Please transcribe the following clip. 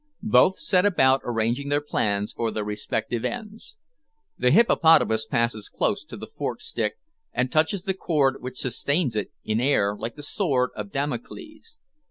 Both set about arranging their plans for their respective ends. The hippopotamus passes close to the forked stick, and touches the cord which sustains it in air like the sword of Damocles.